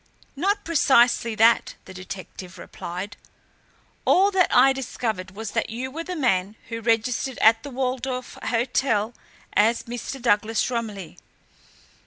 "Not precisely that," the detective replied. "All that I discovered was that you were the man who registered at the Waldorf Hotel as Mr. Douglas Romilly."